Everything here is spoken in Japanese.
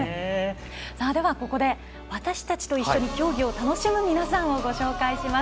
では、ここで私たちと一緒に競技を楽しむ皆さんをご紹介します。